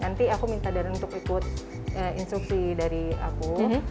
nanti aku minta darah untuk ikut instruksi dari aku